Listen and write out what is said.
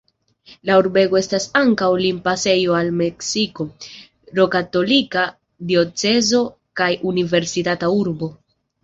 La urbego estas ankaŭ limpasejo al Meksiko, romkatolika diocezo kaj universitata urbo.